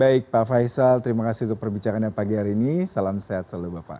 baik pak faisal terima kasih untuk perbicaraannya pagi hari ini salam sehat selalu bapak